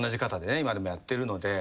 今でもやってるので。